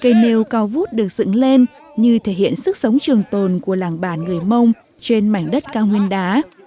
cây nêu cao vút được dựng lên như thể hiện sức sống trường tồn của làng bản người mông trên mảnh đất cao nguyên đá